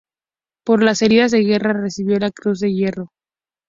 Por las heridas de guerra recibió la Cruz de Hierro.